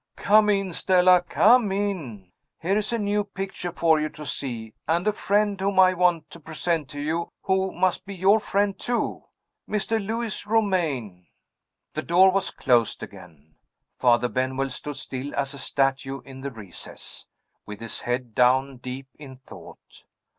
"Come in, Stella come in! Here is a new picture for you to see; and a friend whom I want to present to you, who must be your friend too Mr. Lewis Romayne." The door was closed again. Father Benwell stood still as a statue in the recess, with his head down, deep in thought.